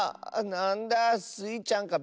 なんだスイちゃんか。